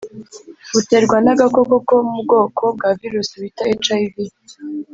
buterwa n’agakoko ko mu bwoko bwa virusi bita hiv